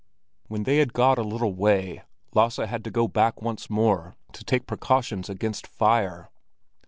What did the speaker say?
When they had got a little way, Lasse had to go back once more to take precautions against fire.